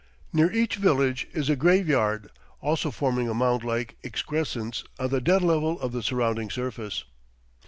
Near each village is a graveyard, also forming a mound like excrescence on the dead level of the surrounding surface.